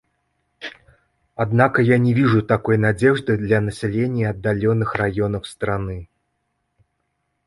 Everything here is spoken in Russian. Однако я не вижу такой надежды для населения отдаленных районов страны.